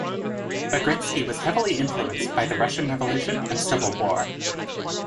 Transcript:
Bagritsky was heavily influenced by the Russian Revolution and Civil War.